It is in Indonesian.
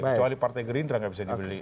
kecuali partai gerindra nggak bisa dibeli